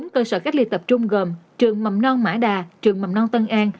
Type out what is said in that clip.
bốn cơ sở cách ly tập trung gồm trường mầm non mã đà trường mầm non tân an